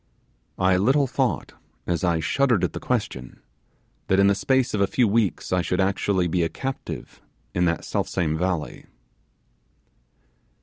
I little thought, as I shuddered at the question, that in the space of a few weeks I should actually be a captive in that self same valley.